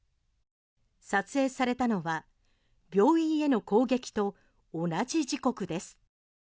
撮影されたのは病院への攻撃と同じ時刻です。